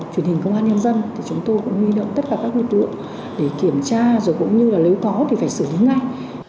truyền hình công an nhân dân thì chúng tôi cũng huy động tất cả các lực lượng để kiểm tra rồi cũng như là nếu có thì phải xử lý ngay